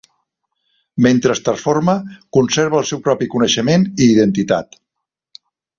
Mentre es transforma, conserva el seu propi coneixement i identitat.